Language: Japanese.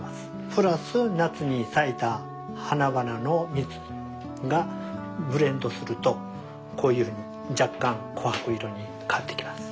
プラス夏に咲いた花々の蜜がブレンドするとこういう若干琥珀色に変わってきます。